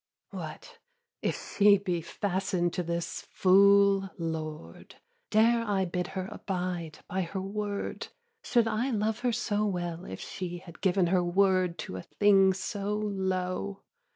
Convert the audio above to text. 2. What, if she be fasten'd to this fool lord, Dare I bid her abide by her word? Should I love her so well if she Had given her word to a thing so low?